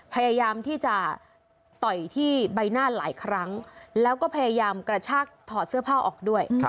พยายามที่จะต่อยที่ใบหน้าหลายครั้งแล้วก็พยายามกระชากถอดเสื้อผ้าออกด้วย